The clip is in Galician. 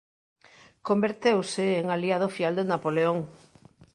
Converteuse en aliado fiel de Napoleón.